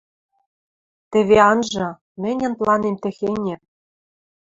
Теве анжы, мӹньӹн планем техеньӹ...